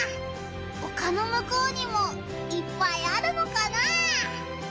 おかのむこうにもいっぱいあるのかな。